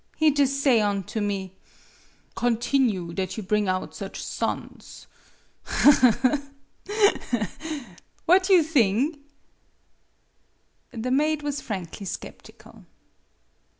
He jus' say onto me: ' Continue that you bring out such sons.' Aha, ha, ha! What you thing ?" The maid was frankly skeptical.